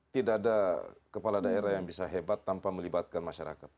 tidak ada kepala daerah yang bisa hebat tanpa melibatkan masyarakat